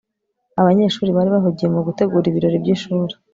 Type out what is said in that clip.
abanyeshuri bari bahugiye mu gutegura ibirori byishuri